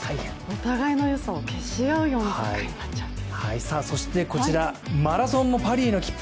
お互いの良さを消し合うような戦いになっちゃうと。